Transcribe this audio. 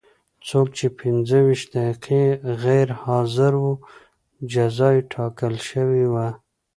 څوک چې پنځه ویشت دقیقې غیر حاضر و جزا یې ټاکل شوې وه.